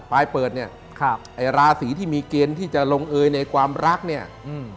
ปลายเปิดเนี่ยครับไอ้ราศีที่มีเกณฑ์ที่จะลงเอยในความรักเนี่ยอืม